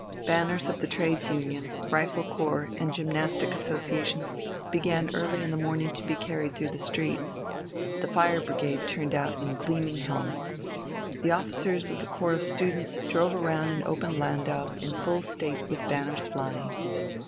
Banners of the Trades Unions, rifle corps, and gymnastic associations began early in the morning to be carried through the streets. The fire brigade turned out in gleaming helmets. The officers of the Corps of Students drove round in open landaus in full state with banners flying.